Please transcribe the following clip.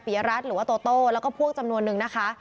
ยรัฐหรือว่าโตโต้แล้วก็พวกจำนวนนึงนะคะ